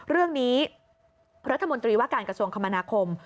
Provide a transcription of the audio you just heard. เรื่องนี้รัฐมนตรีว่าการกระทรวงคมนาคม